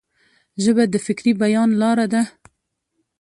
ژبه د فکري بیان لار ده.